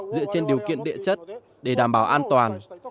dựa trên điều kiện địa chất để đảm bảo an toàn